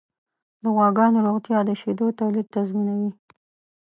د غواګانو روغتیا د شیدو تولید تضمینوي.